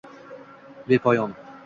Bepoyon